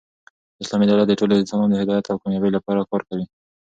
اسلامي دولت د ټولو انسانانو د هدایت او کامبابۍ له پاره کار کوي.